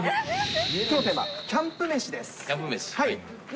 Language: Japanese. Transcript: きょうのテーマ、キャンプ飯です。